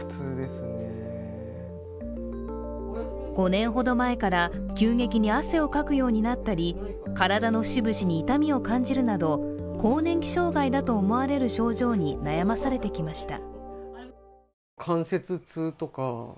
５年ほど前から急激に汗をかくようになったり体の節々に痛みを感じるなど更年期障害だと思われる症状に悩まされてきました。